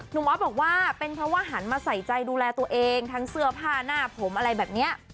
ออฟบอกว่าเป็นเพราะว่าหันมาใส่ใจดูแลตัวเองทั้งเสื้อผ้าหน้าผมอะไรแบบนี้